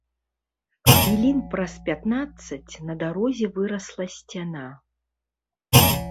Хвілін праз пятнаццаць на дарозе вырасла сцяна.